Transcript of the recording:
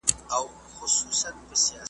وايی خوب د لېونو دی ,